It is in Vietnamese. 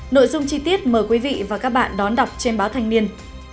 nội dung chi tiết mời quý vị và các bạn đón đọc trên báo thanh niên